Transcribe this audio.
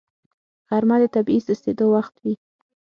غرمه د طبیعي سستېدو وخت وي